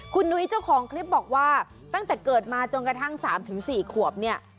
คุณนุ้ยเจ้าของคลิปบอกว่าตั้งแต่เกิดมาจนกระทั่ง๓๔ขวบเนี่ย